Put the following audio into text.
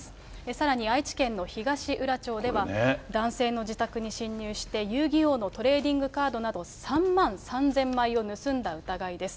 さらに、愛知県の東浦町では、男性の自宅に侵入して、遊戯王のトレーディングカードなど、３万３０００枚を盗んだ疑いです。